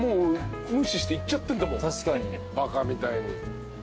バカみたいに。